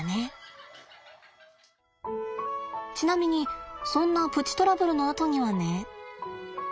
ちなみにそんなプチトラブルのあとにはね。